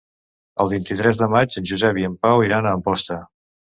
El vint-i-tres de maig en Josep i en Pau iran a Amposta.